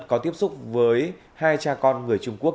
có tiếp xúc với hai cha con người trung quốc